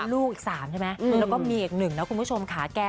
ลูกอีก๓ใช่ไหมแล้วก็มีอีกหนึ่งนะคุณผู้ชมค่ะ